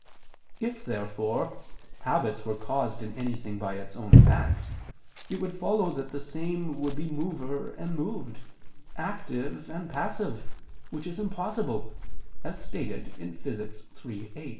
If therefore habits were caused in anything by its own act, it would follow that the same would be mover and moved, active and passive: which is impossible, as stated in Physics iii, 8.